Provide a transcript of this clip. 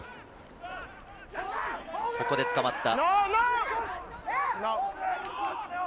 ここで捕まった。